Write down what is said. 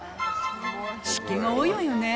湿気が多いわよね。